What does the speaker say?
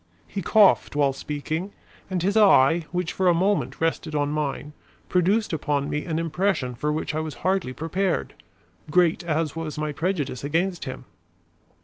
He coughed while speaking and his eye, which for a moment rested on mine, produced upon me an impression for which I was hardly prepared, great as was my prejudice against him.